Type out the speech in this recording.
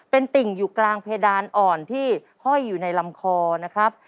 เป็นติ่งอยู่กลางเพดานอ่อนที่ห้อยอยู่ในลำคอนะครับ